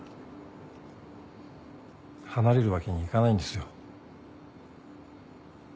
離れるわけにいかないんですよ。